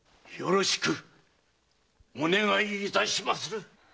よろしくお願いいたしまする。